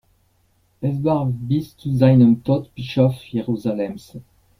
Er war bis zu seinem Tod Bischof Jerusalems.